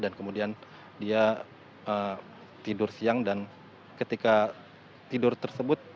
dan kemudian dia tidur siang dan ketika tidur tersebut